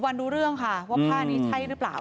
วันรู้เรื่องค่ะว่าผ้านี้ใช่หรือเปล่า